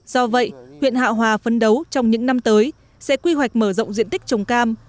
do vậy huyện hạ hòa phấn đấu trong những năm tới sẽ quy hoạch mở rộng diện tích trồng cam